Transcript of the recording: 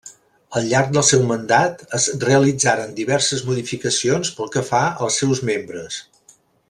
Al llarg del seu mandat es realitzaren diverses modificacions pel que fa als seus membres.